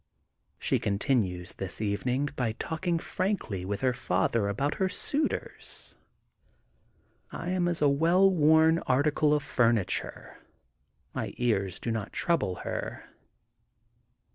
She continues this evening by talking frankly with her father about her suitors. I THE GOLDEN BOOK OF SPRINGFIELD 247 am as a well worn article of furniture. My ears do not trouble her.